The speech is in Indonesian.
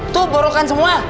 tuh borokan semua